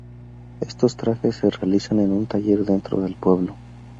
Estos trajes se realizan en un taller dentro del pueblo.